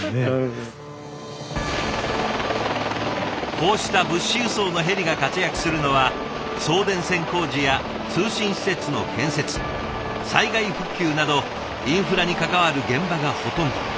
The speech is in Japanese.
こうした物資輸送のヘリが活躍するのは送電線工事や通信施設の建設災害復旧などインフラに関わる現場がほとんど。